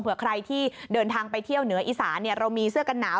ใครที่เดินทางไปเที่ยวเหนืออีสานเรามีเสื้อกันหนาว